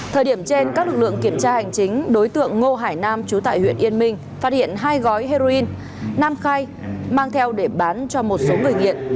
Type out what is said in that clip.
thời điểm trên các lực lượng kiểm tra hành chính đối tượng ngô hải nam trú tại huyện yên minh phát hiện hai gói heroin nam khai mang theo để bán cho một số người nghiện